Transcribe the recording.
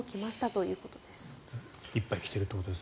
いっぱい来ているということですね。